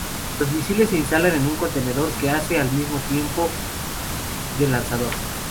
Los misiles se instalan en un contenedor que hace al mismo tiempo de lanzador.